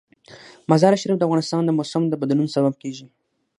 مزارشریف د افغانستان د موسم د بدلون سبب کېږي.